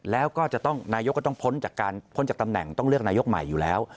แล้วก็นายก็ต้องพ้นจากตำแหน่งต้องเลือกนายกใหม่อยู่แล้ว